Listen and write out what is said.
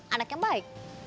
anak yang baik